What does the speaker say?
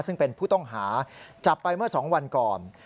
ซึ่งเป็นผู้ต้องหาจับไปเมื่อ๒วันก่อน